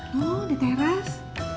loh di teras